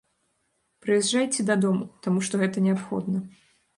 Прыязджайце дадому, таму што гэта неабходна.